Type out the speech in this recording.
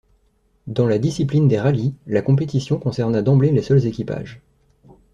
Dans la discipline des rallyes, la compétition concerna d'emblée les seuls équipages.